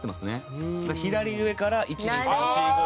左上から１２３４５６７って。